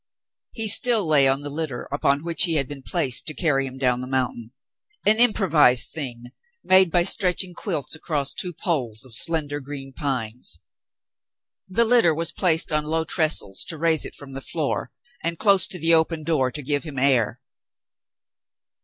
He still lay on the litter upon which he had been placed to carry him down the mountain, — an improvised thing made by stretching quilts across two poles of slender green pines. The litter was placed on low trestles to raise it from the floor, and close to the open door to give him air.